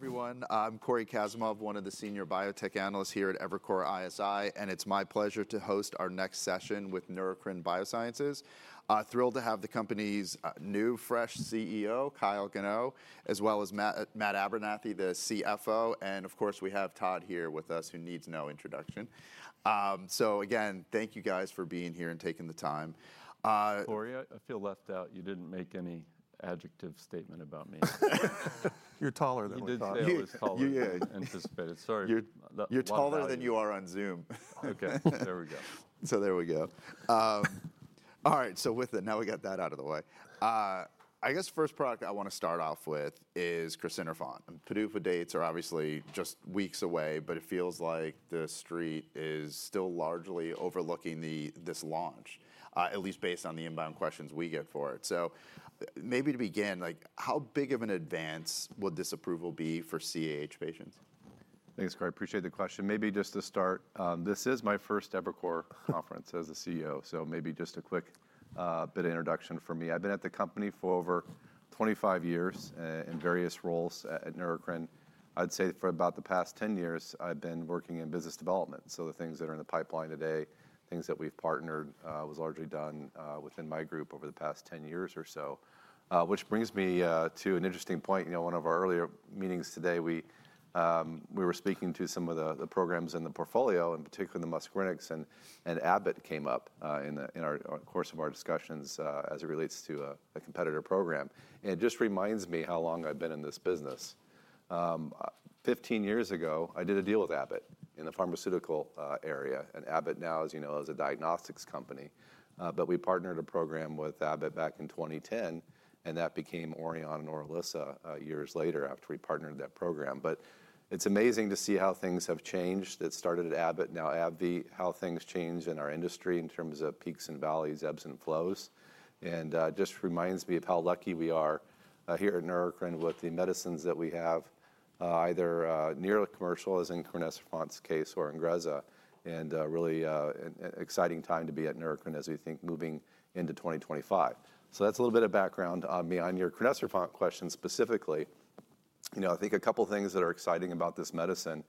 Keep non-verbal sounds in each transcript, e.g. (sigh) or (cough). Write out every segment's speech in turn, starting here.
Everyone, I'm Cory Kasimov, one of the Senior Biotech Analysts here at Evercore ISI, and it's my pleasure to host our next session with Neurocrine Biosciences. Thrilled to have the company's new, fresh CEO, Kyle Gano, as well as Matt Abernethy, the CFO, and of course we have Todd here with us who needs no introduction. So again, thank you guys for being here and taking the time. Cory, I feel left out. You didn't make any adjective statement about me. You're taller than what I was told. You did say I was taller than you anticipated. Sorry. You're taller than you are on Zoom. Okay, there we go. So there we go. All right, so with that, now we got that out of the way. I guess the first product I want to start off with is crinecerfont. PDUFA dates are obviously just weeks away, but it feels like the street is still largely overlooking this launch, at least based on the inbound questions we get for it. So maybe to begin, how big of an advance will this approval be for CAH patients? Thanks, Cory. I appreciate the question. Maybe just to start, this is my first Evercore conference as a CEO, so maybe just a quick bit of introduction for me. I've been at the company for over 25 years in various roles at Neurocrine. I'd say for about the past 10 years I've been working in Business Development, so the things that are in the pipeline today, things that we've partnered, was largely done within my group over the past 10 years or so, which brings me to an interesting point. One of our earlier meetings today, we were speaking to some of the programs in the portfolio, in particular the muscarinics, and Abbott came up in the course of our discussions as it relates to a competitor program. And it just reminds me how long I've been in this business. Fifteen years ago, I did a deal with Abbott in the Pharmaceutical area, and Abbott now, as you know, is a diagnostics company, but we partnered a program with Abbott back in 2010, and that became Oriahnn and Orilissa years later after we partnered that program, but it's amazing to see how things have changed that started at Abbott and now AbbVie, how things change in our industry in terms of peaks and valleys, ebbs and flows, and it just reminds me of how lucky we are here at Neurocrine with the medicines that we have, either near commercial as in crinecerfont's case or Ingrezza, and really an exciting time to be at Neurocrine as we think moving into 2025, so that's a little bit of background on me. On your crinecerfont question specifically, I think a couple of things that are exciting about this medicine,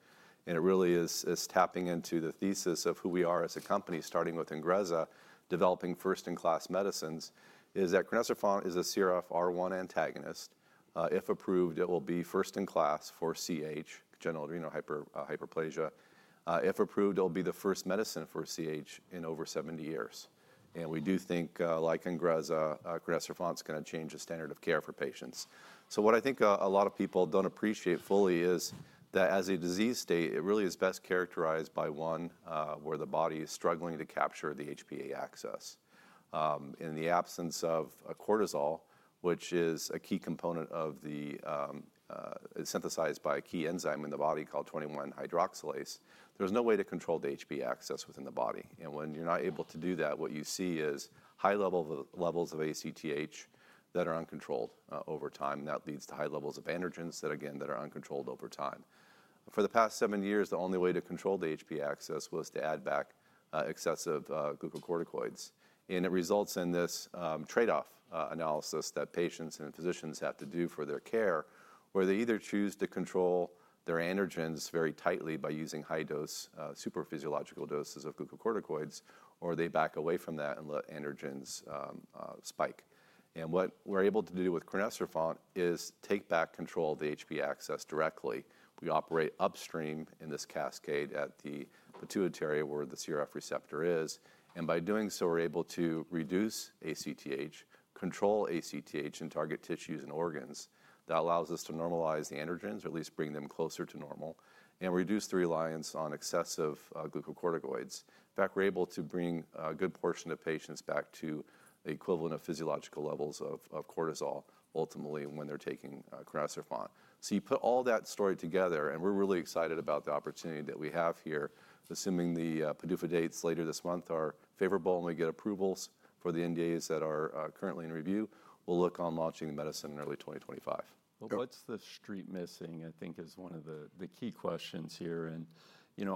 and it really is tapping into the thesis of who we are as a company, starting with Ingrezza, developing first-in-class medicines, is that crinecerfont is a CRF1 antagonist. If approved, it will be first-in-class for CAH, Congenital Adrenal Hyperplasia. If approved, it'll be the first medicine for CAH in over 70 years. And we do think, like Ingrezza, crinecerfont's going to change the standard of care for patients. So what I think a lot of people don't appreciate fully is that as a disease state, it really is best characterized by one where the body is struggling to capture the HPA axis. In the absence of cortisol, which is synthesized by a key enzyme in the body called 21-hydroxylase, there's no way to control the HPA axis within the body. And when you're not able to do that, what you see is high levels of ACTH that are uncontrolled over time. That leads to high levels of androgens that, again, that are uncontrolled over time. For the past seven years, the only way to control the HPA axis was to add back excessive glucocorticoids. And it results in this trade-off analysis that patients and physicians have to do for their care, where they either choose to control their androgens very tightly by using high-dose supraphysiological doses of glucocorticoids, or they back away from that and let androgens spike. And what we're able to do with crinecerfont is take back control of the HPA axis directly. We operate upstream in this cascade at the pituitary where the CRF receptor is. And by doing so, we're able to reduce ACTH, control ACTH in target tissues and organs. That allows us to normalize the androgens, or at least bring them closer to normal, and reduce the reliance on excessive glucocorticoids. In fact, we're able to bring a good portion of patients back to the equivalent of physiological levels of cortisol ultimately when they're taking crinecerfont. So you put all that story together, and we're really excited about the opportunity that we have here, assuming the PDUFA dates later this month are favorable and we get approvals for the NDAs that are currently in review. We'll look on launching the medicine in early 2025. What's the street missing, I think, is one of the key questions here.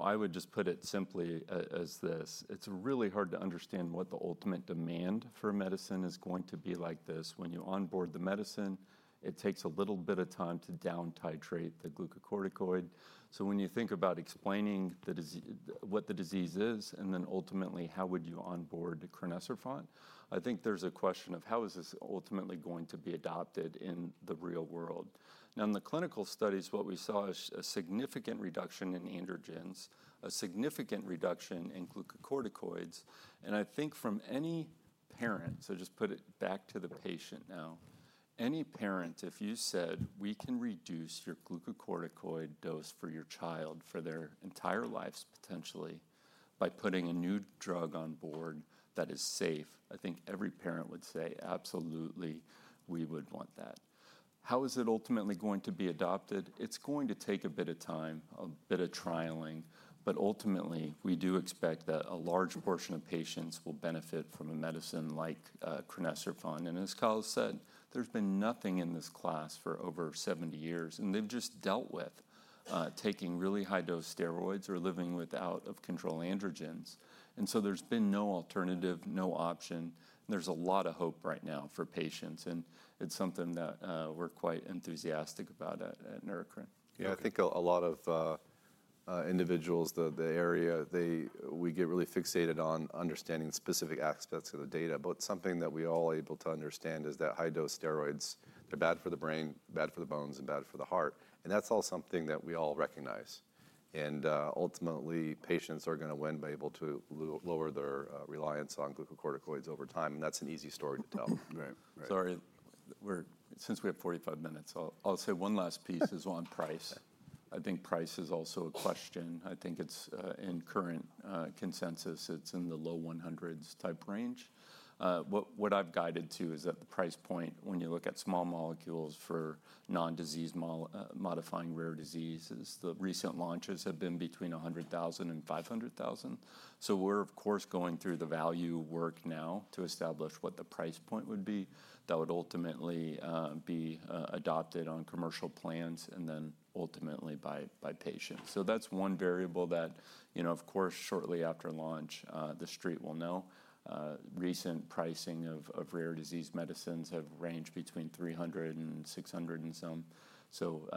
I would just put it simply as this: it's really hard to understand what the ultimate demand for medicine is going to be like this. When you onboard the medicine, it takes a little bit of time to down-titrate the glucocorticoid. When you think about explaining what the disease is, and then ultimately how would you onboard crinecerfont, I think there's a question of how is this ultimately going to be adopted in the real world. Now, in the clinical studies, what we saw is a significant reduction in androgens, a significant reduction in glucocorticoids. And I think from any parent, so just put it back to the patient now, any parent, if you said, "We can reduce your glucocorticoid dose for your child for their entire lives potentially by putting a new drug on board that is safe," I think every parent would say, "Absolutely, we would want that." How is it ultimately going to be adopted? It's going to take a bit of time, a bit of trialing, but ultimately we do expect that a large portion of patients will benefit from a medicine like crinecerfont. And as Kyle said, there's been nothing in this class for over 70 years, and they've just dealt with taking really high-dose steroids or living without control of androgens. And so there's been no alternative, no option. There's a lot of hope right now for patients, and it's something that we're quite enthusiastic about at Neurocrine. Yeah, I think a lot of individuals in the area we get really fixated on understanding specific aspects of the data, but something that we all are able to understand is that high-dose steroids, they're bad for the brain, bad for the bones, and bad for the heart, and that's all something that we all recognize, and ultimately, patients are going to end up able to lower their reliance on glucocorticoids over time, and that's an easy story to tell. Sorry, since we have 45 minutes, I'll say one last piece is on price. I think price is also a question. I think it's in current consensus. It's in the low $100s type range. What I've guided to is that the price point, when you look at small molecules for non-disease modifying rare diseases, the recent launches have been between $100,000 and $500,000. So we're, of course, going through the value work now to establish what the price point would be that would ultimately be adopted on commercial plans and then ultimately by patients. So that's one variable that, of course, shortly after launch, the street will know. Recent pricing of rare disease medicines have ranged between $300,000 and $600,000 and some. So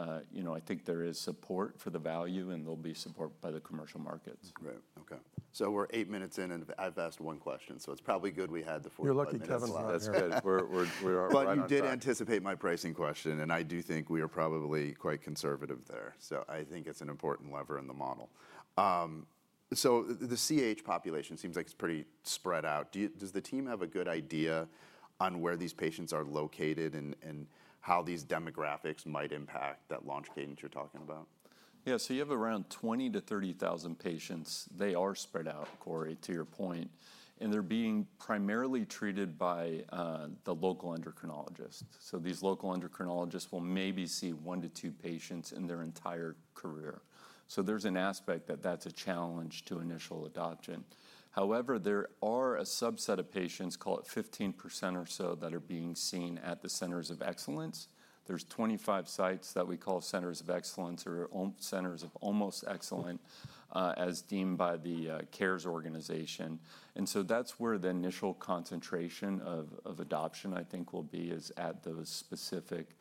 I think there is support for the value, and there'll be support by the commercial markets. Right. Okay. So we're eight minutes in, and I've asked one question, so it's probably good we had the 45. (crosstalk) But you did anticipate my pricing question, and I do think we are probably quite conservative there. So I think it's an important lever in the model. So the CAH population seems like it's pretty spread out. Does the team have a good idea on where these patients are located and how these demographics might impact that launch cadence you're talking about? Yeah, so you have around 20,000-30,000 patients. They are spread out, Cory, to your point. And they're being primarily treated by the local endocrinologist. So these local endocrinologists will maybe see one to two patients in their entire career. So there's an aspect that that's a challenge to initial adoption. However, there are a subset of patients, call it 15% or so, that are being seen at the Centers of Excellence. There's 25 sites that we call Centers of Excellence or Centers of Almost Excellent as deemed by the CARES organization. And so that's where the initial concentration of adoption, I think, will be is at those specific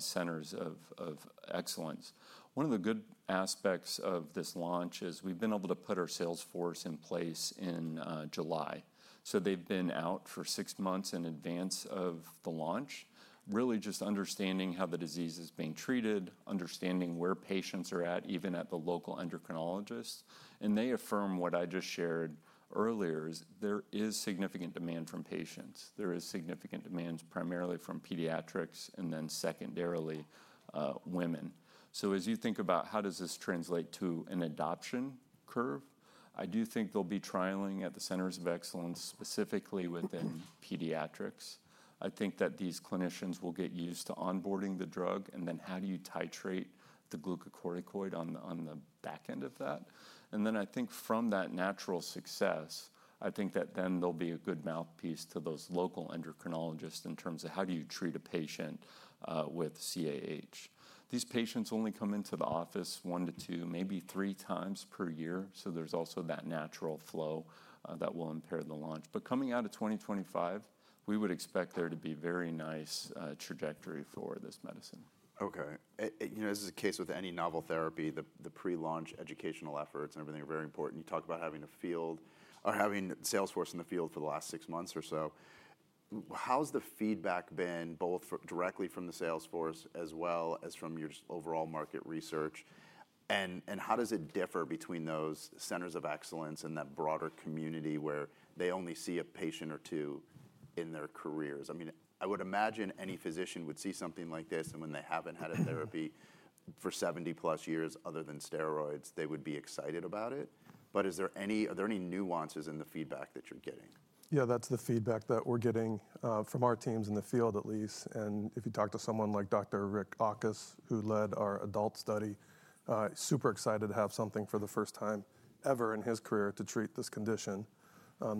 Centers of Excellence. One of the good aspects of this launch is we've been able to put our sales force in place in July. So they've been out for six months in advance of the launch, really just understanding how the disease is being treated, understanding where patients are at, even at the local endocrinologists. And they affirm what I just shared earlier is there is significant demand from patients. There is significant demand primarily from pediatrics and then secondarily women. So as you think about how does this translate to an adoption curve, I do think there'll be trialing at the Centers of Excellence specifically within pediatrics. I think that these clinicians will get used to onboarding the drug, and then how do you titrate the glucocorticoid on the back end of that? And then I think from that natural success, I think that then there'll be a good mouthpiece to those local endocrinologists in terms of how do you treat a patient with CAH. These patients only come into the office one to two, maybe three times per year, so there's also that natural flow that will impair the launch. But coming out of 2025, we would expect there to be a very nice trajectory for this medicine. Okay. This is the case with any novel therapy. The pre-launch educational efforts and everything are very important. You talk about having a field or having sales force in the field for the last six months or so. How's the feedback been both directly from the sales force as well as from your overall market research, and how does it differ between those Centers of Excellence and that broader community where they only see a patient or two in their careers? I mean, I would imagine any physician would see something like this, and when they haven't had a therapy for 70-plus years other than steroids, they would be excited about it, but are there any nuances in the feedback that you're getting? Yeah, that's the feedback that we're getting from our teams in the field, at least. And if you talk to someone like Dr. Rick Auchus, who led our adult study, super excited to have something for the first time ever in his career to treat this condition.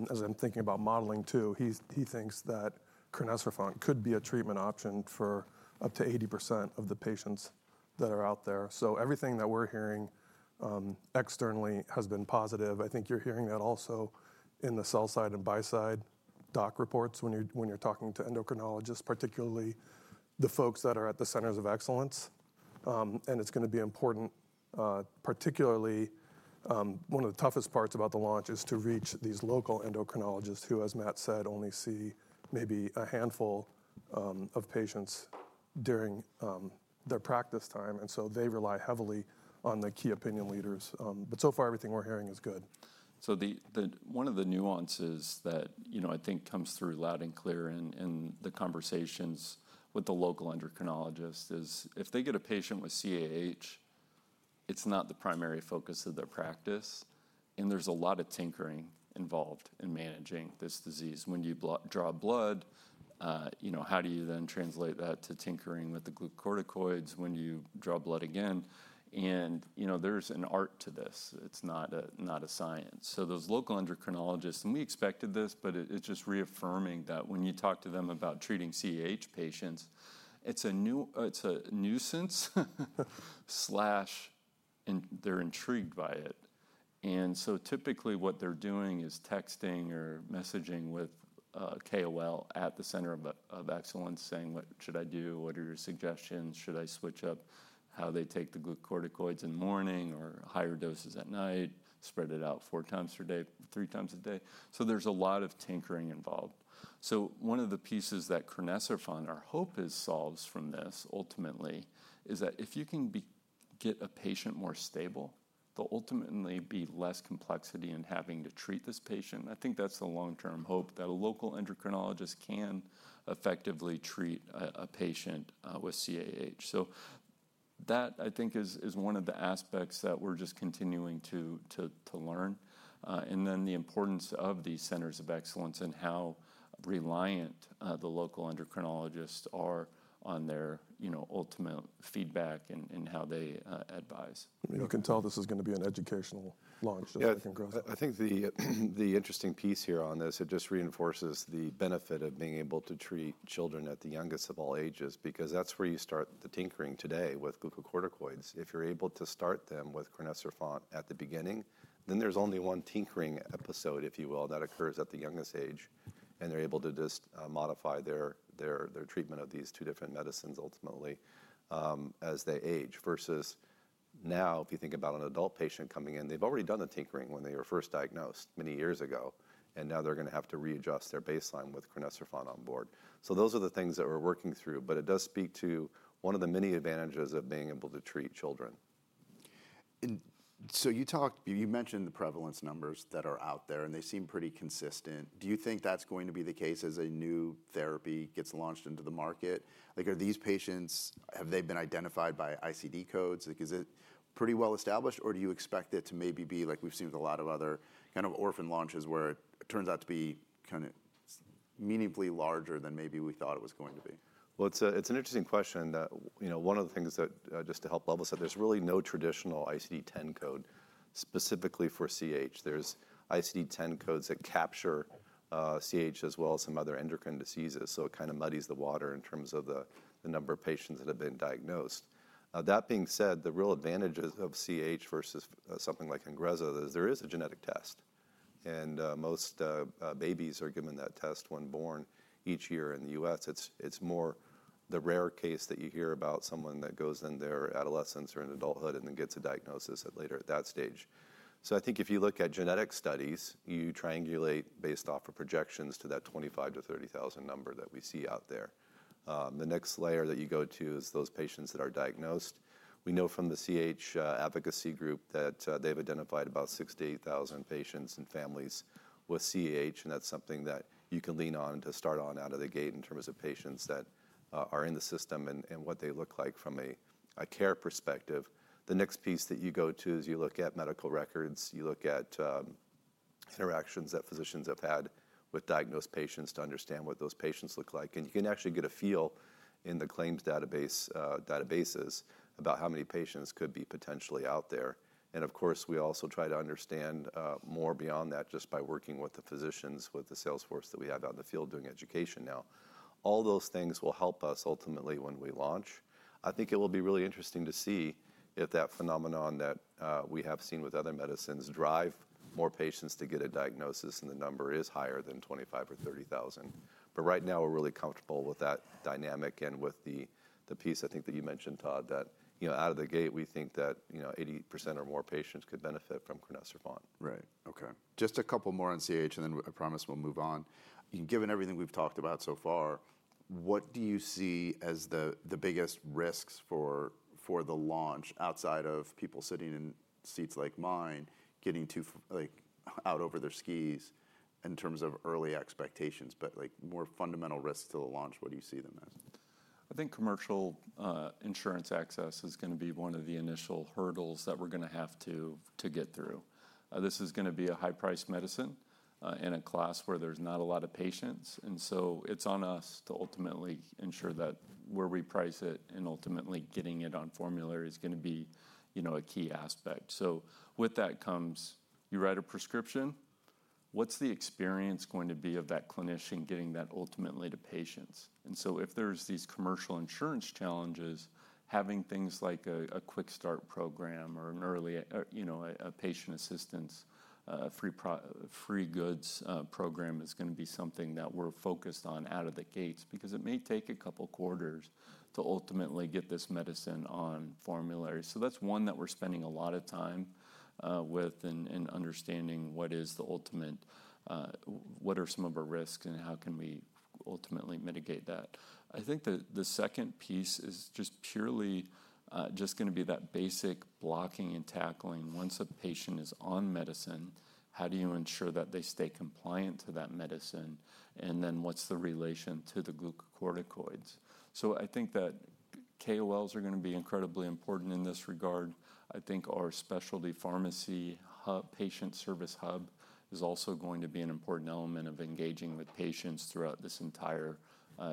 As I'm thinking about modeling too, he thinks that crinecerfont could be a treatment option for up to 80% of the patients that are out there. So everything that we're hearing externally has been positive. I think you're hearing that also in the sell side and buy side doc reports when you're talking to endocrinologists, particularly the folks that are at the Centers of Excellence. And it's going to be important, particularly one of the toughest parts about the launch is to reach these local endocrinologists who, as Matt said, only see maybe a handful of patients during their practice time. And so they rely heavily on the key opinion leaders. But so far, everything we're hearing is good. One of the nuances that I think comes through loud and clear in the conversations with the local endocrinologists is if they get a patient with CAH, it's not the primary focus of their practice. And there's a lot of tinkering involved in managing this disease. When you draw blood, how do you then translate that to tinkering with the glucocorticoids when you draw blood again? And there's an art to this. It's not a science. So those local endocrinologists, and we expected this, but it's just reaffirming that when you talk to them about treating CAH patients, it's a nuisance/they're intrigued by it. And so typically what they're doing is texting or messaging with KOL at the Center of Excellence saying, "What should I do? What are your suggestions? Should I switch up how they take the glucocorticoids in the morning or higher doses at night? Spread it out four times per day, 3x a day." So there's a lot of tinkering involved, so one of the pieces that crinecerfont, our hope is, solves from this ultimately is that if you can get a patient more stable, there'll ultimately be less complexity in having to treat this patient. I think that's the long-term hope that a local endocrinologist can effectively treat a patient with CAH. So that, I think, is one of the aspects that we're just continuing to learn, and then the importance of these Centers of Excellence and how reliant the local endocrinologists are on their ultimate feedback and how they advise. I mean, I can tell this is going to be an educational launch so that we can grow some. I think the interesting piece here on this, it just reinforces the benefit of being able to treat children at the youngest of all ages because that's where you start the tinkering today with glucocorticoids. If you're able to start them with crinecerfont at the beginning, then there's only one tinkering episode, if you will, that occurs at the youngest age, and they're able to just modify their treatment of these two different medicines ultimately as they age versus now, if you think about an adult patient coming in, they've already done the tinkering when they were first diagnosed many years ago, and now they're going to have to readjust their baseline with crinecerfont on board, so those are the things that we're working through, but it does speak to one of the many advantages of being able to treat children. So you mentioned the prevalence numbers that are out there, and they seem pretty consistent. Do you think that's going to be the case as a new therapy gets launched into the market? Are these patients, have they been identified by ICD codes? Is it pretty well established, or do you expect it to maybe be like we've seen with a lot of other kind of orphan launches where it turns out to be kind of meaningfully larger than maybe we thought it was going to be? Well, it's an interesting question. One of the things that just to help level set, there's really no traditional ICD-10 code specifically for CAH. There's ICD-10 codes that capture CAH as well as some other endocrine diseases, so it kind of muddies the water in terms of the number of patients that have been diagnosed. That being said, the real advantages of CAH versus something like Ingrezza is there is a genetic test. Most babies are given that test when born each year in the U.S. It's more the rare case that you hear about someone that goes in their adolescence or in adulthood and then gets a diagnosis later at that stage. I think if you look at genetic studies, you triangulate based off of projections to that 25,000-30,000 number that we see out there. The next layer that you go to is those patients that are diagnosed. We know from the CAH advocacy group that they've identified about 68,000 patients and families with CAH, and that's something that you can lean on to start on out of the gate in terms of patients that are in the system and what they look like from a care perspective. The next piece that you go to is you look at medical records, you look at interactions that physicians have had with diagnosed patients to understand what those patients look like. And you can actually get a feel in the claims databases about how many patients could be potentially out there. And of course, we also try to understand more beyond that just by working with the physicians, with the sales force that we have out in the field doing education now. All those things will help us ultimately when we launch. I think it will be really interesting to see if that phenomenon that we have seen with other medicines drive more patients to get a diagnosis and the number is higher than 25,000 or 30,000. But right now, we're really comfortable with that dynamic and with the piece I think that you mentioned, Todd, that out of the gate, we think that 80% or more patients could benefit from crinecerfont. Right. Okay. Just a couple more on CAH, and then I promise we'll move on. Given everything we've talked about so far, what do you see as the biggest risks for the launch outside of people sitting in seats like mine, getting out over their skis in terms of early expectations, but more fundamental risks to the launch? What do you see them as? I think commercial insurance access is going to be one of the initial hurdles that we're going to have to get through. This is going to be a high-priced medicine in a class where there's not a lot of patients, and so it's on us to ultimately ensure that where we price it and ultimately getting it on formulary is going to be a key aspect, so with that comes, you write a prescription. What's the experience going to be of that clinician getting that ultimately to patients, and so if there's these commercial insurance challenges, having things like a quick start program or an early patient assistance, free goods program is going to be something that we're focused on out of the gates because it may take a couple of quarters to ultimately get this medicine on formulary. So that's one that we're spending a lot of time with and understanding what are some of our risks and how can we ultimately mitigate that. I think the second piece is just purely just going to be that basic blocking and tackling. Once a patient is on medicine, how do you ensure that they stay compliant to that medicine? And then what's the relation to the glucocorticoids? So I think that KOLs are going to be incredibly important in this regard. I think our specialty pharmacy patient service hub is also going to be an important element of engaging with patients throughout this entire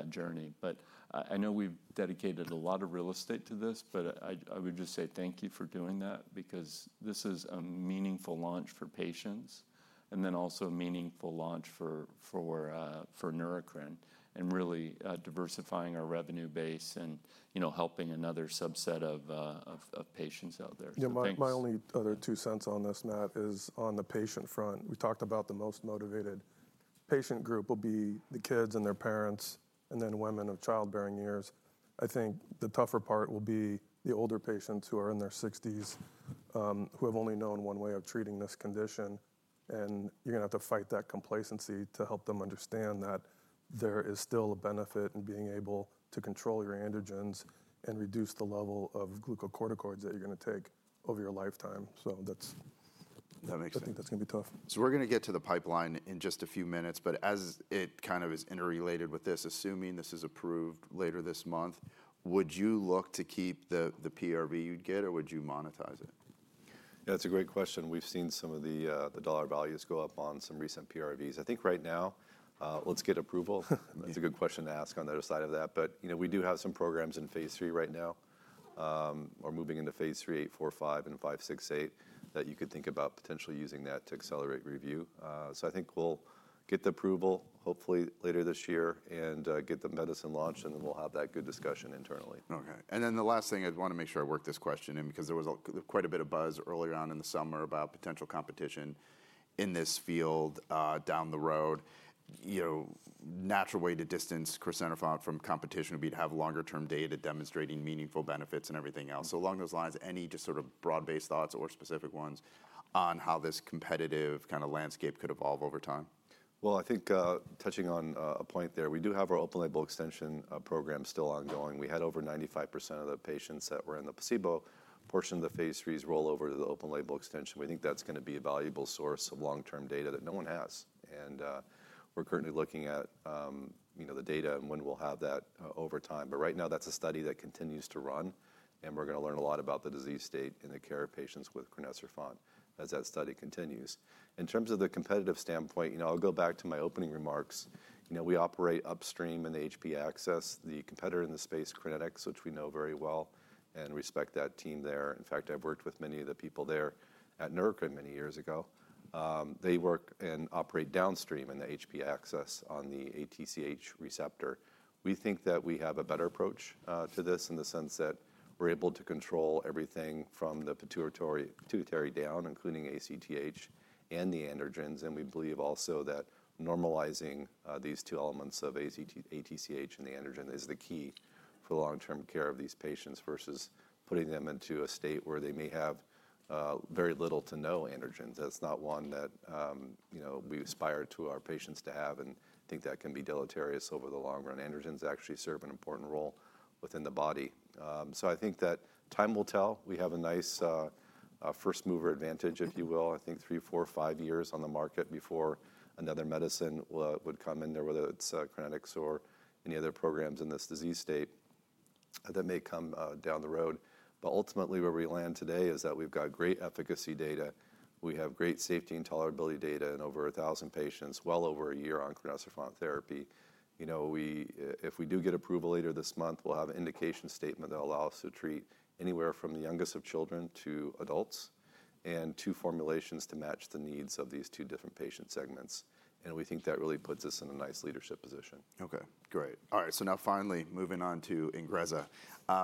journey. But I know we've dedicated a lot of real estate to this, but I would just say thank you for doing that because this is a meaningful launch for patients and then also a meaningful launch for Neurocrine and really diversifying our revenue base and helping another subset of patients out there. Yeah, my only other two cents on this, Matt, is on the patient front. We talked about the most motivated patient group will be the kids and their parents and then women of childbearing years. I think the tougher part will be the older patients who are in their 60s who have only known one way of treating this condition, and you're going to have to fight that complacency to help them understand that there is still a benefit in being able to control your androgens and reduce the level of glucocorticoids that you're going to take over your lifetime, so that's going to be tough. So we're going to get to the pipeline in just a few minutes, but as it kind of is interrelated with this, assuming this is approved later this month, would you look to keep the PRV you'd get, or would you monetize it? Yeah. That's a great question. We've seen some of the dollar values go up on some recent PRVs. I think right now, let's get approval. That's a good question to ask on the other side of that. But we do have some programs in phase III right now or moving into phase III, 845, and 568 that you could think about potentially using that to accelerate review. So I think we'll get the approval hopefully later this year and get the medicine launched, and then we'll have that good discussion internally. Okay. And then the last thing I want to make sure I work this question in because there was quite a bit of buzz earlier on in the summer about potential competition in this field down the road. Natural way to distance crinecerfont from competition would be to have longer-term data demonstrating meaningful benefits and everything else. So along those lines, any just sort of broad-based thoughts or specific ones on how this competitive kind of landscape could evolve over time? Well, I think touching on a point there, we do have our Open Label Extension program still ongoing. We had over 95% of the patients that were in the placebo portion of the phase III's rollover to the open label extension. We think that's going to be a valuable source of long-term data that no one has. We're currently looking at the data and when we'll have that over time. But right now, that's a study that continues to run, and we're going to learn a lot about the disease state in the care of patients with crinecerfont as that study continues. In terms of the competitive standpoint, I'll go back to my opening remarks. We operate upstream in the HPA axis. The competitor in the space, Crinetics, which we know very well and respect that team there. In fact, I've worked with many of the people there at Neurocrine many years ago. They work and operate downstream in the HPA axis on the ACTH receptor. We think that we have a better approach to this in the sense that we're able to control everything from the pituitary down, including ACTH and the androgens. We believe also that normalizing these two elements of ACTH and the androgen is the key for long-term care of these patients versus putting them into a state where they may have very little to no androgens. That's not one that we aspire to our patients to have and think that can be deleterious over the long run. Androgens actually serve an important role within the body. So I think that time will tell. We have a nice first mover advantage, if you will. I think three, four, five years on the market before another medicine would come in there, whether it's Crinetics or any other programs in this disease state that may come down the road. But ultimately, where we land today is that we've got great efficacy data. We have great safety and tolerability data in over 1,000 patients, well over a year on crinecerfont therapy. If we do get approval later this month, we'll have an indication statement that allows us to treat anywhere from the youngest of children to adults and two formulations to match the needs of these two different patient segments. And we think that really puts us in a nice leadership position. Okay. Great. All right. So now finally, moving on to Ingrezza.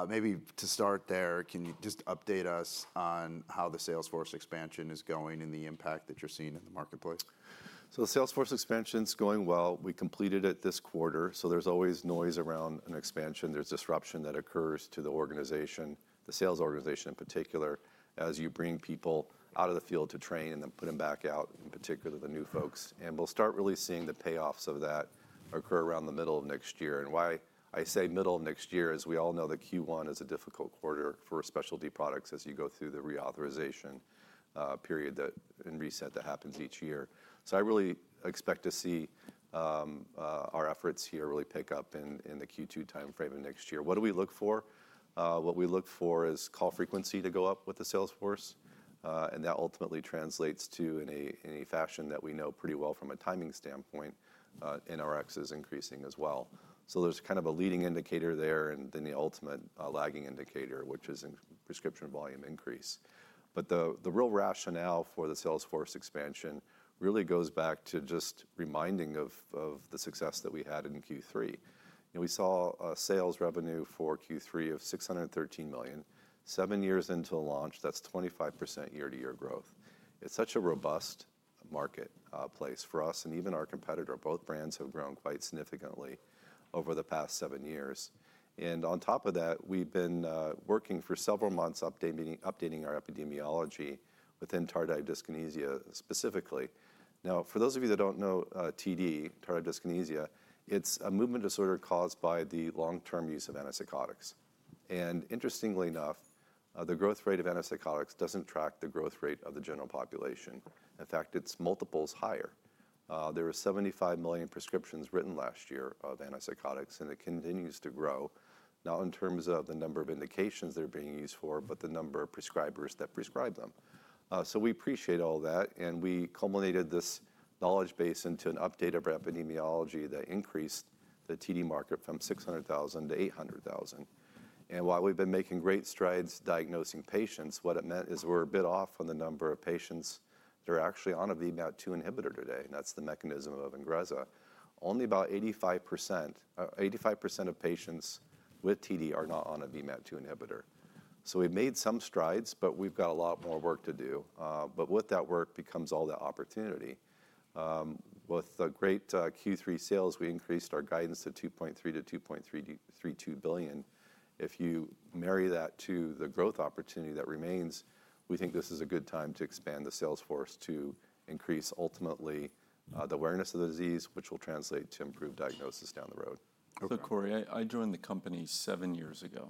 Maybe to start there, can you just update us on how the sales force expansion is going and the impact that you're seeing in the marketplace? So the sales force expansion's going well. We completed it this quarter. So there's always noise around an expansion. There's disruption that occurs to the organization, the sales organization in particular, as you bring people out of the field to train and then put them back out, in particular the new folks. We'll start really seeing the payoffs of that occur around the middle of next year. Why I say middle of next year is we all know that Q1 is a difficult quarter for specialty products as you go through the reauthorization period and reset that happens each year. I really expect to see our efforts here really pick up in the Q2 timeframe of next year. What do we look for? What we look for is call frequency to go up with the sales force. That ultimately translates to, in a fashion that we know pretty well from a timing standpoint, NRX is increasing as well. There's kind of a leading indicator there and then the ultimate lagging indicator, which is in prescription volume increase. The real rationale for the sales force expansion really goes back to just reminding of the success that we had in Q3. We saw sales revenue for Q3 of $613 million. Seven years into launch, that's 25% year-to-year growth. It's such a robust marketplace for us and even our competitor. Both brands have grown quite significantly over the past seven years. And on top of that, we've been working for several months updating our epidemiology within tardive dyskinesia specifically. Now, for those of you that don't know TD, tardive dyskinesia, it's a movement disorder caused by the long-term use of antipsychotics. And interestingly enough, the growth rate of antipsychotics doesn't track the growth rate of the general population. In fact, it's multiples higher. There were 75 million prescriptions written last year of antipsychotics, and it continues to grow, not in terms of the number of indications they're being used for, but the number of prescribers that prescribe them. We appreciate all that, and we culminated this knowledge base into an update of our epidemiology that increased the TD market from 600,000 to 800,000. While we've been making great strides diagnosing patients, what it meant is we're a bit off on the number of patients that are actually on a VMAT2 inhibitor today, and that's the mechanism of Ingrezza. Only about 85% of patients with TD are not on a VMAT2 inhibitor. We've made some strides, but we've got a lot more work to do. With that work comes all the opportunity. With the great Q3 sales, we increased our guidance to $2.3 billion-$2.332 billion. If you marry that to the growth opportunity that remains, we think this is a good time to expand the sales force to increase ultimately the awareness of the disease, which will translate to improved diagnosis down the road. Corey, I joined the company seven years ago,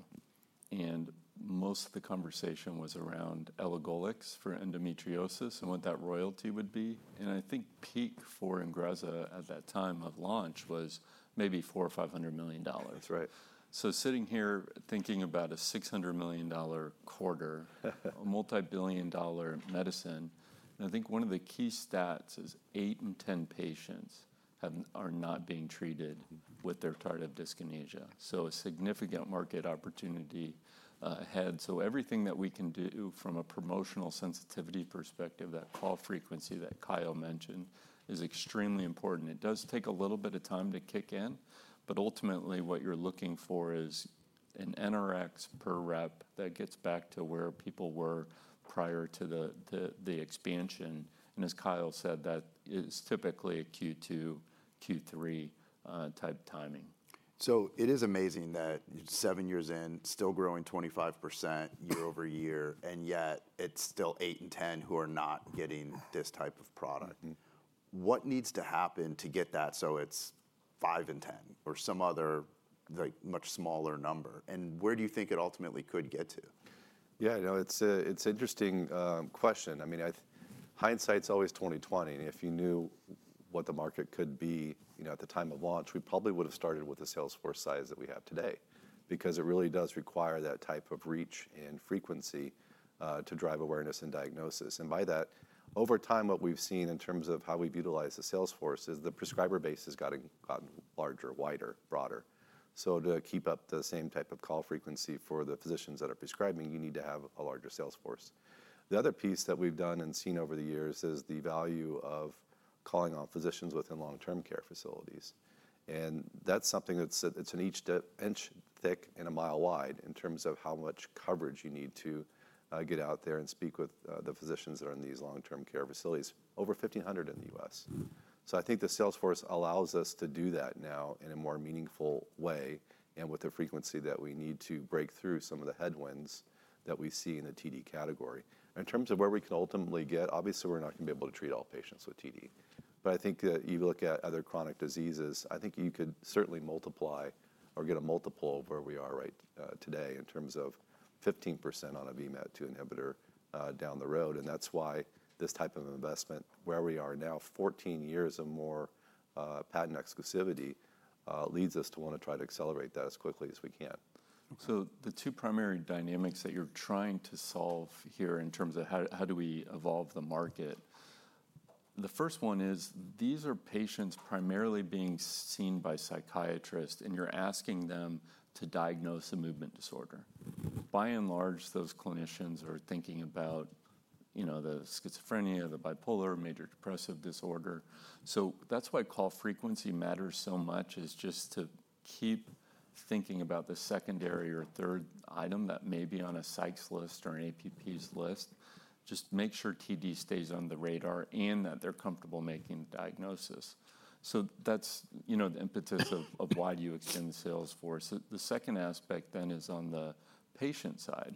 and most of the conversation was around elagolix for endometriosis and what that royalty would be. I think peak for Ingrezza at that time of launch was maybe $400 million or $500 million. Sitting here thinking about a $600 million quarter, a multi-billion-dollar medicine, and I think one of the key stats is 8 in 10 patients are not being treated with their tardive dyskinesia. A significant market opportunity ahead. Everything that we can do from a promotional sensitivity perspective, that call frequency that Kyle mentioned, is extremely important. It does take a little bit of time to kick in, but ultimately, what you're looking for is an NRX per rep that gets back to where people were prior to the expansion. As Kyle said, that is typically a Q2, Q3 type timing. So it is amazing that seven years in, still growing 25% year-over-year, and yet it's still 8 in 10 who are not getting this type of product. What needs to happen to get that so it's 5 in 10 or some other much smaller number? And where do you think it ultimately could get to? Yeah, it's an interesting question. I mean, hindsight's always 20/20. And if you knew what the market could be at the time of launch, we probably would have started with the sales force size that we have today because it really does require that type of reach and frequency to drive awareness and diagnosis. And by that, over time, what we've seen in terms of how we've utilized the sales force is the prescriber base has gotten larger, wider, broader. So to keep up the same type of call frequency for the physicians that are prescribing, you need to have a larger sales force. The other piece that we've done and seen over the years is the value of calling on physicians within long-term care facilities. That's something that's an inch thick and a mile wide in terms of how much coverage you need to get out there and speak with the physicians that are in these long-term care facilities. Over 1,500 in the U.S. I think the sales force allows us to do that now in a more meaningful way and with the frequency that we need to break through some of the headwinds that we see in the TD category. In terms of where we can ultimately get, obviously, we're not going to be able to treat all patients with TD. I think that you look at other chronic diseases. I think you could certainly multiply or get a multiple of where we are right today in terms of 15% on a VMAT2 inhibitor down the road. That's why this type of investment, where we are now, 14 years of more patent exclusivity leads us to want to try to accelerate that as quickly as we can. The two primary dynamics that you're trying to solve here in terms of how do we evolve the market, the first one is these are patients primarily being seen by psychiatrists, and you're asking them to diagnose a movement disorder. By and large, those clinicians are thinking about the schizophrenia, the bipolar, major depressive disorder. That's why call frequency matters so much is just to keep thinking about the secondary or third item that may be on a psych's list or an APP's list. Just make sure TD stays on the radar and that they're comfortable making the diagnosis. That's the impetus of why do you extend the sales force? The second aspect then is on the patient side.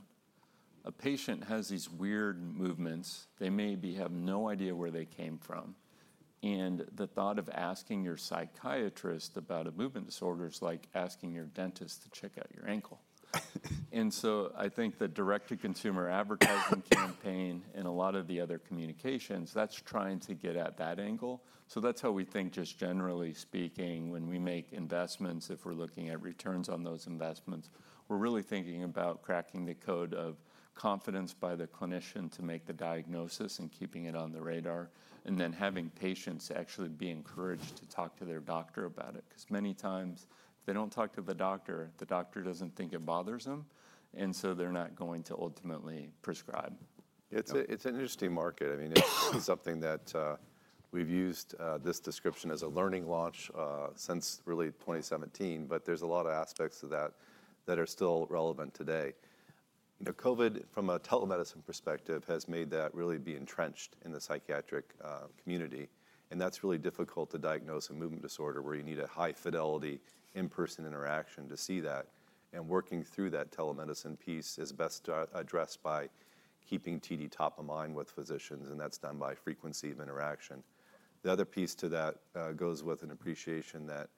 A patient has these weird movements. They may have no idea where they came from, and the thought of asking your psychiatrist about a movement disorder is like asking your dentist to check out your ankle, and so I think the direct-to-consumer advertising campaign and a lot of the other communications, that's trying to get at that angle, so that's how we think, just generally speaking, when we make investments, if we're looking at returns on those investments, we're really thinking about cracking the code of confidence by the clinician to make the diagnosis and keeping it on the radar and then having patients actually be encouraged to talk to their doctor about it. Because many times, if they don't talk to the doctor, the doctor doesn't think it bothers them, and so they're not going to ultimately prescribe. It's an interesting market. I mean, it's something that we've used this description as a learning launch since really 2017, but there's a lot of aspects of that that are still relevant today. COVID, from a telemedicine perspective, has made that really be entrenched in the psychiatric community. And that's really difficult to diagnose a movement disorder where you need a high-fidelity in-person interaction to see that. And working through that telemedicine piece is best addressed by keeping TD top of mind with physicians, and that's done by frequency of interaction. The other piece to that goes with an appreciation that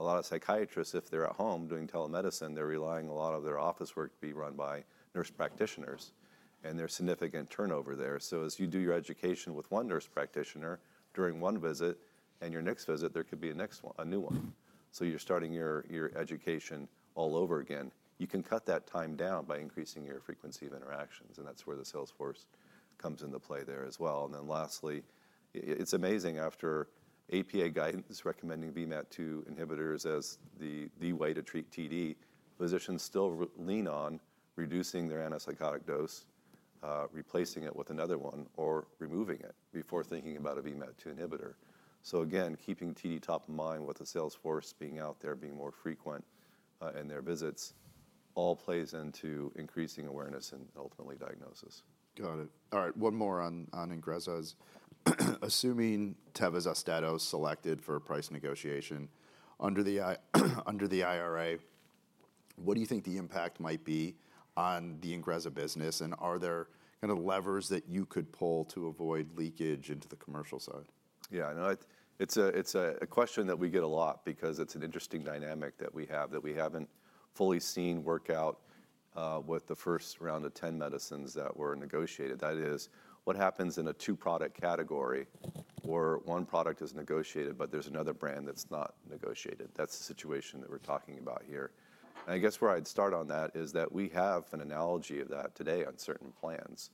a lot of psychiatrists, if they're at home doing telemedicine, they're relying a lot of their office work to be run by nurse practitioners, and there's significant turnover there. So as you do your education with one nurse practitioner during one visit, and your next visit, there could be a new one. So you're starting your education all over again. You can cut that time down by increasing your frequency of interactions, and that's where the sales force comes into play there as well. And then lastly, it's amazing after APA guidance recommending VMAT2 inhibitors as the way to treat TD, physicians still lean on reducing their antipsychotic dose, replacing it with another one, or removing it before thinking about a VMAT2 inhibitor. So again, keeping TD top of mind with the sales force being out there, being more frequent in their visits all plays into increasing awareness and ultimately diagnosis. Got it. All right. One more on Ingrezza's. Assuming Austedo is selected for price negotiation under the IRA, what do you think the impact might be on the Ingrezza business? And are there kind of levers that you could pull to avoid leakage into the commercial side? Yeah. It's a question that we get a lot because it's an interesting dynamic that we have that we haven't fully seen work out with the first round of 10 medicines that were negotiated. That is, what happens in a two-product category where one product is negotiated, but there's another brand that's not negotiated? That's the situation that we're talking about here. And I guess where I'd start on that is that we have an analogy of that today on certain plans.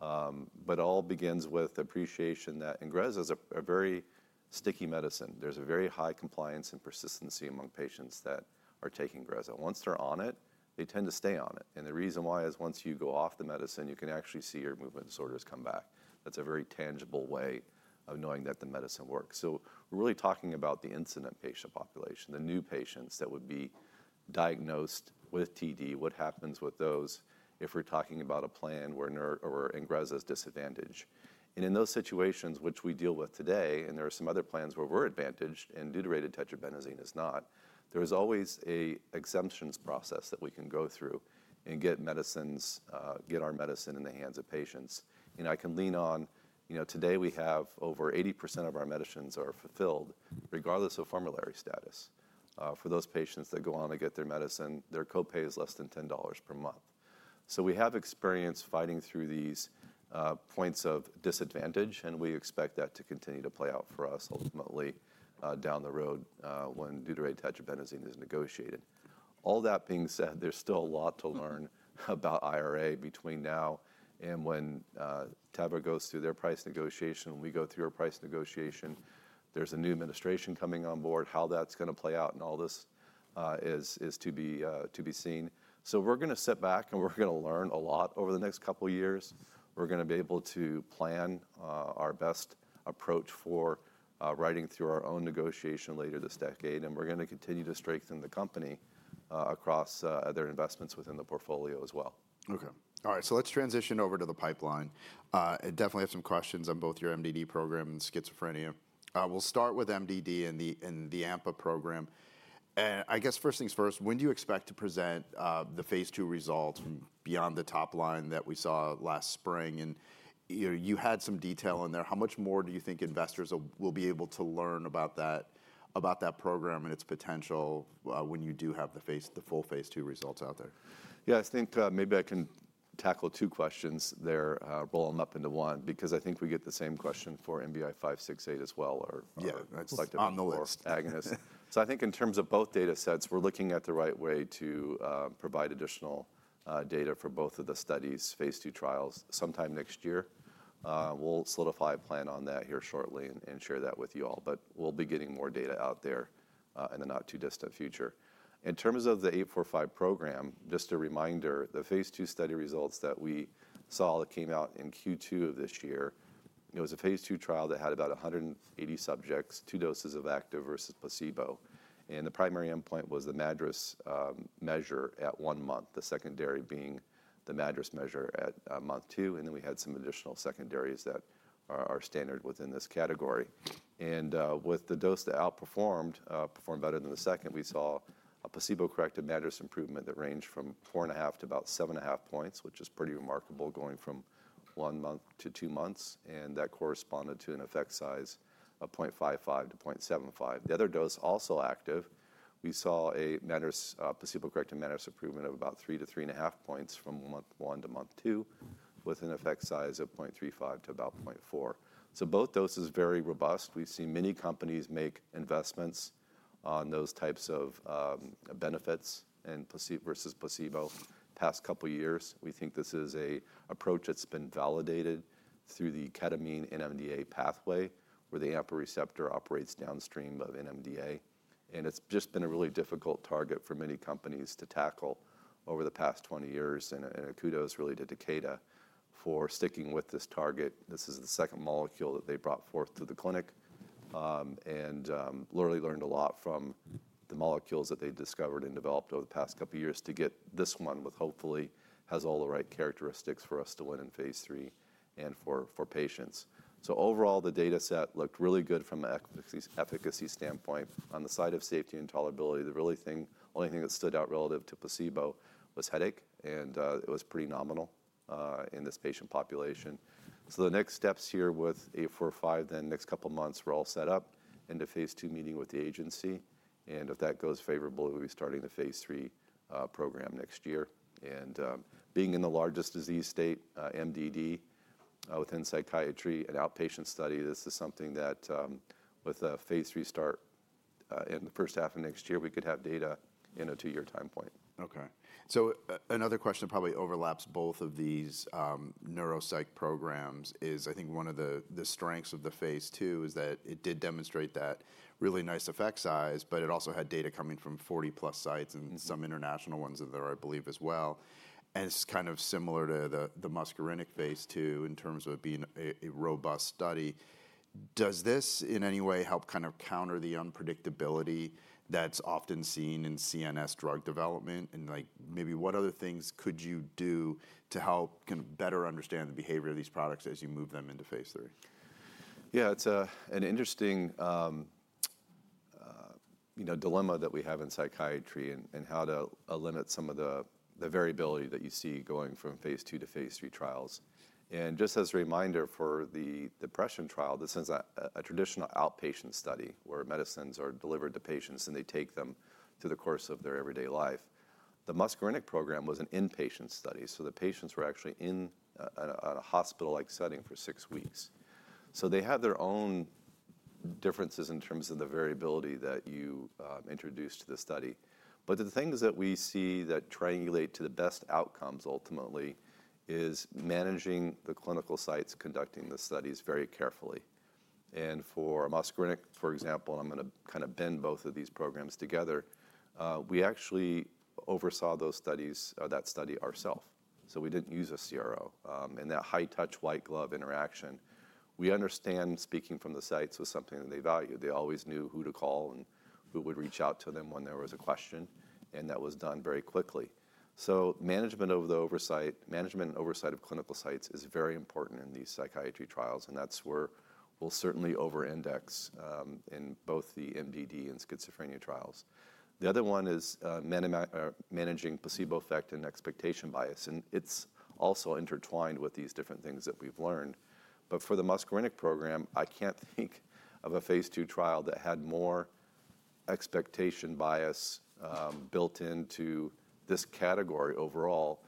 But it all begins with the appreciation that Ingrezza is a very sticky medicine. There's a very high compliance and persistency among patients that are taking Ingrezza. Once they're on it, they tend to stay on it. And the reason why is once you go off the medicine, you can actually see your movement disorders come back. That's a very tangible way of knowing that the medicine works. So, we're really talking about the incident patient population, the new patients that would be diagnosed with TD, what happens with those if we're talking about a plan where Ingrezza is disadvantaged. And in those situations, which we deal with today, and there are some other plans where we're advantaged and deuterated tetrabenazine is not, there is always an exemptions process that we can go through and get our medicine in the hands of patients. And I can lean on today we have over 80% of our medicines are fulfilled regardless of formulary status. For those patients that go on to get their medicine, their copay is less than $10 per month. So we have experience fighting through these points of disadvantage, and we expect that to continue to play out for us ultimately down the road when deuterated tetrabenazine is negotiated. All that being said, there's still a lot to learn about IRA between now and when Teva goes through their price negotiation. When we go through our price negotiation, there's a new administration coming on board. How that's going to play out and all this is to be seen. So we're going to sit back and we're going to learn a lot over the next couple of years. We're going to be able to plan our best approach for writing through our own negotiation later this decade, and we're going to continue to strengthen the company across their investments within the portfolio as well. Okay. All right. So let's transition over to the pipeline. I definitely have some questions on both your MDD program and schizophrenia. We'll start with MDD and the AMPA program. And I guess first things first, when do you expect to present the phase II results beyond the top line that we saw last spring? And you had some detail in there. How much more do you think investors will be able to learn about that program and its potential when you do have the full phase II results out there? Yeah, I think maybe I can tackle two questions there rolling up into one because I think we get the same question for NBI-568 as well. Yeah, it's on the list. (crosstalk) So I think in terms of both data sets, we're looking at the right way to provide additional data for both of the studies, phase II trials, sometime next year. We'll solidify a plan on that here shortly and share that with you all, but we'll be getting more data out there in the not too distant future. In terms of the 845 program, just a reminder, the phase II study results that we saw that came out in Q2 of this year, it was a phase II trial that had about 180 subjects, two doses of actives versus placebo, and the primary endpoint was the MADRS measure at one month, the secondary being the MADRS measure at month two, and then we had some additional secondaries that are standard within this category. With the dose that outperformed, performed better than the second, we saw a placebo-corrected MDRS improvement that ranged from 4.5 to about 7.5 points, which is pretty remarkable going from one month to two months, and that corresponded to an effect size of 0.55-0.75. The other dose also active. We saw a placebo-corrected MDRS improvement of about 3-3.5 points from month one to month two with an effect size of 0.35-about 0.4. So both doses are very robust. We've seen many companies make investments on those types of benefits versus placebo the past couple of years. We think this is an approach that's been validated through the ketamine NMDA pathway where the AMPA receptor operates downstream of NMDA. It's just been a really difficult target for many companies to tackle over the past 20 years. A kudos really to Takeda for sticking with this target. This is the second molecule that they brought forth to the clinic and literally learned a lot from the molecules that they discovered and developed over the past couple of years to get this one with hopefully has all the right characteristics for us to win in phase III and for patients. Overall, the data set looked really good from an efficacy standpoint. On the side of safety and tolerability, the only thing that stood out relative to placebo was headache, and it was pretty nominal in this patient population. The next steps here with 845. Then next couple of months we're all set up into phase II meeting with the agency. If that goes favorably, we'll be starting the phase III program next year. Being in the largest disease state, MDD, within psychiatry and outpatient study, this is something that with a phase III start in the first half of next year, we could have data in a two-year time point. Okay. So another question that probably overlaps both of these neuropsych programs is I think one of the strengths of the phase II is that it did demonstrate that really nice effect size, but it also had data coming from 40-plus sites and some international ones in there, I believe, as well. And it's kind of similar to the muscarinic phase II in terms of being a robust study. Does this in any way help kind of counter the unpredictability that's often seen in CNS drug development? And maybe what other things could you do to help kind of better understand the behavior of these products as you move them into phase III? Yeah, it's an interesting dilemma that we have in psychiatry and how to limit some of the variability that you see going from phase II to phase III trials. And just as a reminder for the depression trial, this is a traditional outpatient study where medicines are delivered to patients and they take them through the course of their everyday life. The muscarinic program was an inpatient study, so the patients were actually in a hospital-like setting for six weeks. So they have their own differences in terms of the variability that you introduced to the study. But the things that we see that triangulate to the best outcomes ultimately is managing the clinical sites conducting the studies very carefully. And for muscarinic, for example, and I'm going to kind of blend both of these programs together, we actually oversaw those studies, that study ourselves. We didn't use a CRO. And that high-touch white glove interaction, we understand speaking from the sites, was something that they valued. They always knew who to call and who would reach out to them when there was a question, and that was done very quickly. So management of the oversight, management and oversight of clinical sites is very important in these psychiatry trials, and that's where we'll certainly over-index in both the MDD and schizophrenia trials. The other one is managing placebo effect and expectation bias. And it's also intertwined with these different things that we've learned. But for the muscarinic program, I can't think of a phase II trial that had more expectation bias built into this category overall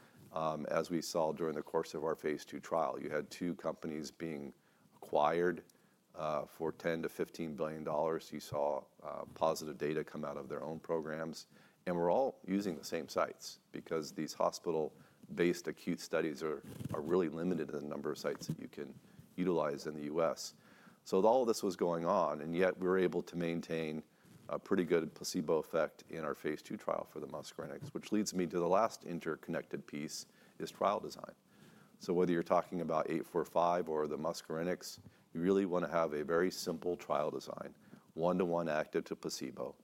as we saw during the course of our phase II trial. You had two companies being acquired for $10 billion-$15 billion. You saw positive data come out of their own programs, and we're all using the same sites because these hospital-based acute studies are really limited in the number of sites that you can utilize in the U.S. So all of this was going on, and yet we were able to maintain a pretty good placebo effect in our phase II trial for the muscarinics, which leads me to the last interconnected piece, is trial design. So whether you're talking about 845 or the muscarinics, you really want to have a very simple trial design, one-to-one active to placebo,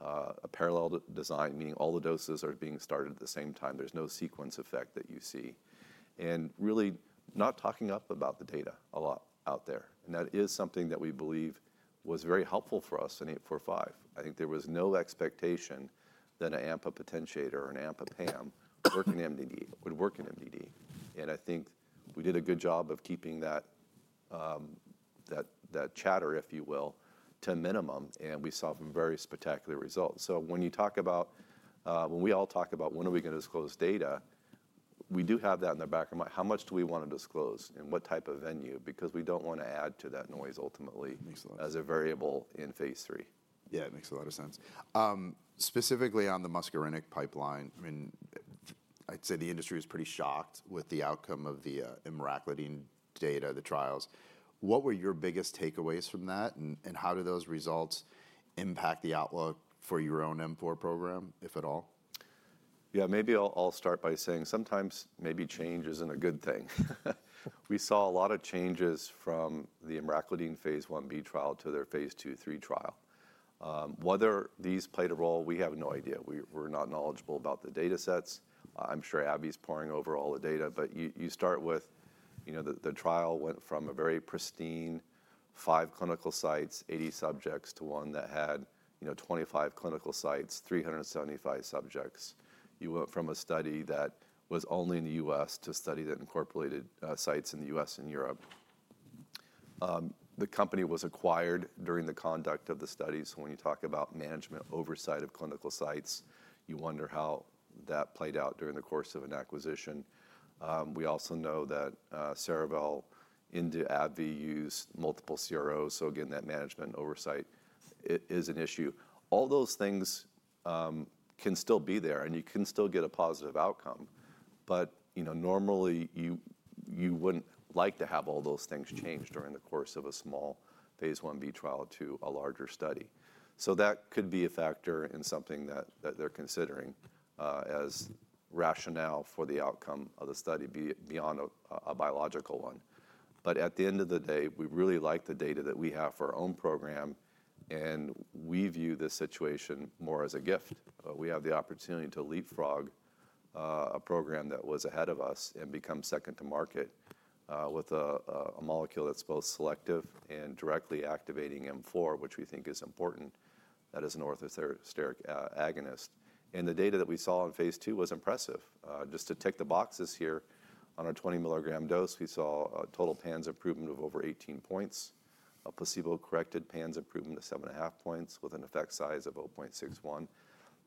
a parallel design, meaning all the doses are being started at the same time. There's no sequence effect that you see, and really not talking up about the data a lot out there. And that is something that we believe was very helpful for us in 845. I think there was no expectation that an AMPA potentiator or an AMPA PAM would work in MDD. And I think we did a good job of keeping that chatter, if you will, to a minimum, and we saw some very spectacular results. So when you talk about when we all talk about when are we going to disclose data, we do have that in the back of our mind. How much do we want to disclose and what type of venue? Because we don't want to add to that noise ultimately as a variable in phase III. Yeah, it makes a lot of sense. Specifically on the muscarinic pipeline, I mean, I'd say the industry was pretty shocked with the outcome of the emraclidine data, the trials. What were your biggest takeaways from that, and how did those results impact the outlook for your own M4 program, if at all? Yeah, maybe I'll start by saying sometimes maybe change isn't a good thing. We saw a lot of changes from the emraclidine phase I-B trial to their phase II, III trial. Whether these played a role, we have no idea. We're not knowledgeable about the data sets. I'm sure AbbVie's poring over all the data, but you start with the trial went from a very pristine five clinical sites, 80 subjects to one that had 25 clinical sites, 375 subjects. You went from a study that was only in the U.S. to a study that incorporated sites in the U.S. and Europe. The company was acquired during the conduct of the study. So when you talk about management oversight of clinical sites, you wonder how that played out during the course of an acquisition. We also know that Cerevel and AbbVie used multiple CROs. So again, that management oversight is an issue. All those things can still be there, and you can still get a positive outcome. But normally you wouldn't like to have all those things changed during the course of a small phase I-B trial to a larger study. So that could be a factor in something that they're considering as rationale for the outcome of the study beyond a biological one. But at the end of the day, we really like the data that we have for our own program, and we view this situation more as a gift. We have the opportunity to leapfrog a program that was ahead of us and become second to market with a molecule that's both selective and directly activating M4, which we think is important. That is an orthosteric agonist. And the data that we saw in phase II was impressive. Just to tick the boxes here, on a 20-mg dose, we saw a total PANSS improvement of over 18 points, a placebo-corrected PANSS improvement of 7.5 points with an effect size of 0.61.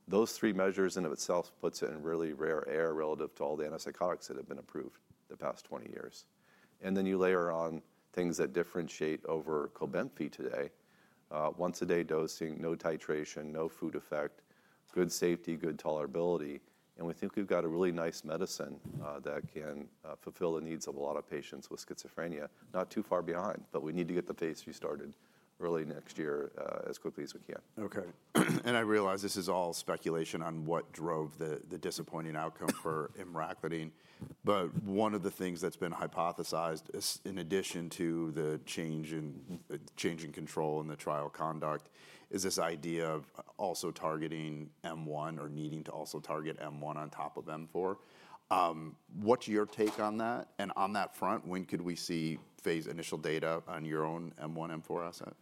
Those three measures in and of itself puts it in really rare air relative to all the antipsychotics that have been approved the past 20 years. And then you layer on things that differentiate over COBENFY today, once-a-day dosing, no titration, no food effect, good safety, good tolerability. And we think we've got a really nice medicine that can fulfill the needs of a lot of patients with schizophrenia, not too far behind, but we need to get the phase III started early next year as quickly as we can. Okay. And I realize this is all speculation on what drove the disappointing outcome for emraclidine. But one of the things that's been hypothesized in addition to the change in control and the trial conduct is this idea of also targeting M1 or needing to also target M1 on top of M4. What's your take on that? And on that front, when could we see phase initial data on your own M1, M4 asset?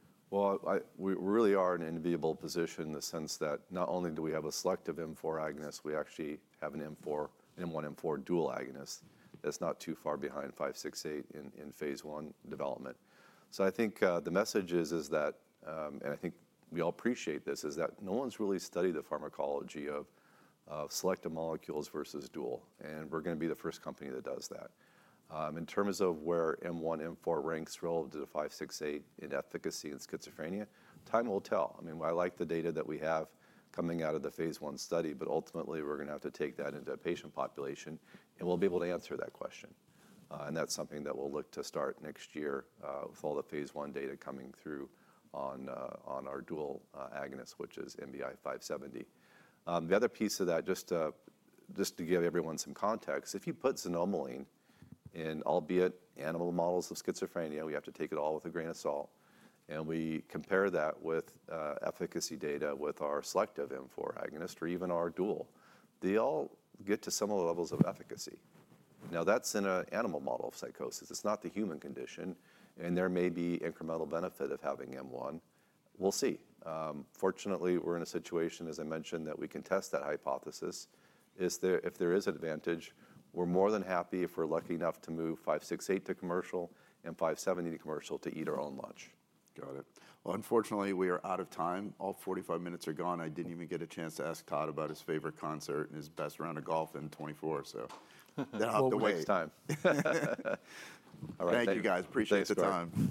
We really are in an enviable position in the sense that not only do we have a selective M4 agonist, we actually have an M1, M4 dual agonist that's not too far behind 568 in phase I development, so I think the message is that, and I think we all appreciate this, is that no one's really studied the pharmacology of selective molecules versus dual, and we're going to be the first company that does that. In terms of where M1, M4 ranks relative to 568 in efficacy and schizophrenia, time will tell. I mean, I like the data that we have coming out of the phase I study, but ultimately we're going to have to take that into a patient population and we'll be able to answer that question. And that's something that we'll look to start next year with all the phase I data coming through on our dual agonist, which is NBI-570. The other piece of that, just to give everyone some context, if you put xanomeline in, albeit in animal models of schizophrenia, we have to take it all with a grain of salt. And we compare that with efficacy data with our selective M4 agonist or even our dual. They all get to similar levels of efficacy. Now that's in an animal model of psychosis. It's not the human condition. And there may be incremental benefit of having M1. We'll see. Fortunately, we're in a situation, as I mentioned, that we can test that hypothesis. If there is an advantage, we're more than happy if we're lucky enough to move 568 to commercial and 570 to commercial to eat our own lunch. Got it. Well, unfortunately, we are out of time. All 45 minutes are gone. I didn't even get a chance to ask Todd about his favorite concert and his best round of golf in 2024. So they're out of the way. Next time. (crosstalk) Thank you guys. Appreciate the time.